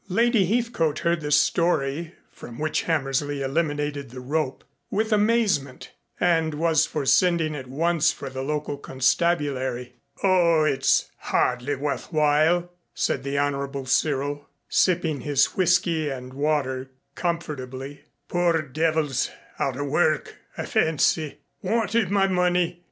Lady Heathcote heard the story (from which Hammersley eliminated the rope) with amazement, and was for sending at once for the local constabulary. "Oh, it's hardly worth while," said the Honorable Cyril, sipping his whiskey and water, comfortably. "Poor devils out of work, I fancy. Wanted my money.